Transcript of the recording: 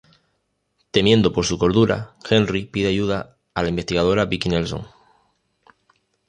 Temiendo por su cordura, Henry pide ayuda a la investigadora Vicki Nelson.